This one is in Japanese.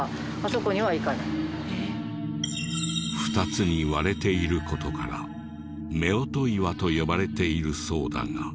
２つに割れている事から夫婦岩と呼ばれているそうだが。